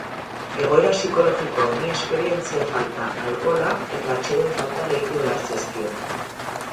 Egoera psikologiko honi esperientzia falta, alkohola eta atseden falta gehitu behar zaizkio.